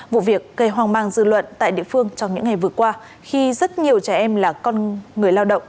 vụ việc gây hoang mang dư luận tại địa phương trong những ngày vừa qua khi rất nhiều trẻ em là con người lao động